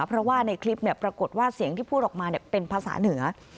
เพราะว่าในคลิปปรากฏว่าเสียงที่พูดออกมาเป็นภาษาเหนือ